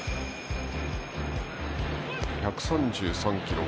１３３キロ。